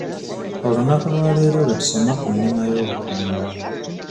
Olunaku lwaleero lwe tusoma ku nnima y'obutunda.